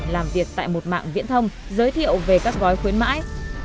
làm việc tại một mạng viễn thông giới thiệu về các gói khuyến mãi